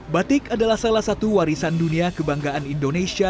batik adalah salah satu warisan dunia kebanggaan indonesia